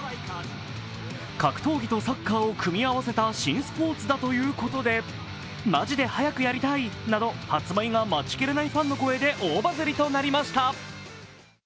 格闘技とサッカーを組み合わせた新スポーツだということで、マジで早くやりたいなど発売が待ちきれないファンの声で大バズりとなりました。